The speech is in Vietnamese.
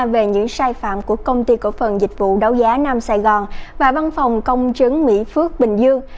về những sai phạm của công ty cổ phần dịch vụ đấu giá nam sài gòn và văn phòng công chứng mỹ phước bình dương